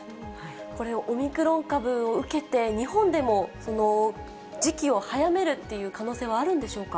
これ、オミクロン株を受けて、日本でも時期を早めるという可能性はあるんでしょうか。